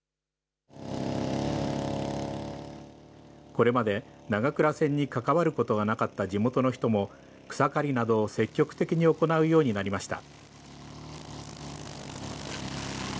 これまで長倉線に関わることがなかった地元の人も、草刈りなどを積極的に行うようになりました。